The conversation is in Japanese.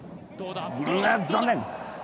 残念。